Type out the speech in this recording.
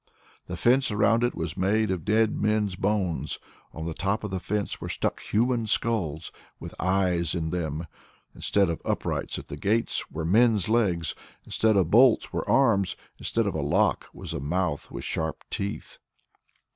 The fence around it was made of dead men's bones; on the top of the fence were stuck human skulls with eyes in them; instead of uprights at the gates were men's legs; instead of bolts were arms; instead of a lock was a mouth with sharp teeth.